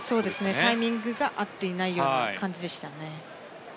タイミングが合っていないような感じでしたね。